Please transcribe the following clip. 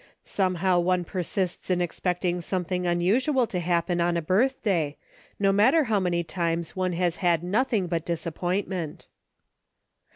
Somehow one persists in expecting something unusual to happen on a birthday, no matter how many times one has had noth ing but disappointment.